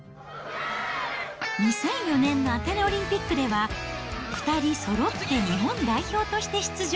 ２００４年のアテネオリンピックでは、２人そろって日本代表として出場。